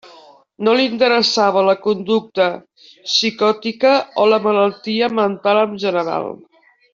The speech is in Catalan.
No li interessava la conducta psicòtica o la malaltia mental en general.